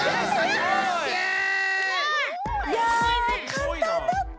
かんたんだった？